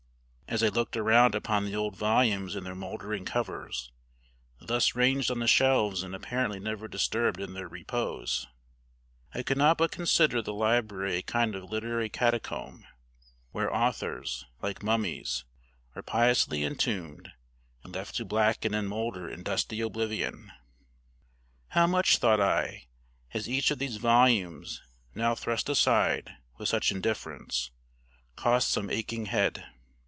As I looked around upon the old volumes in their mouldering covers, thus ranged on the shelves and apparently never disturbed in their repose, I could not but consider the library a kind of literary catacomb, where authors, like mummies, are piously entombed and left to blacken and moulder in dusty oblivion. How much, thought I, has each of these volumes, now thrust aside with such indifference, cost some aching head!